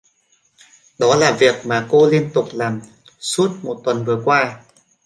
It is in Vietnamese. Đó là việc mà cô liên tục làm suốt một tuần vừa qua